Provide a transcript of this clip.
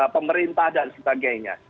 pemerintah dan sebagainya